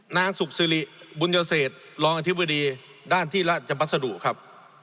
นางสุขสิริบุญยเศษรองอธิบดีด้านที่ราชบัสดุครับ